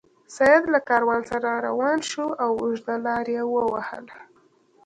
سید له کاروان سره روان شو او اوږده لار یې ووهله.